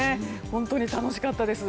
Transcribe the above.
本当に楽しかったです。